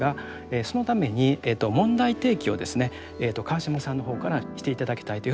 そのために問題提起をですね川島さんの方からして頂きたいというふうに思っています。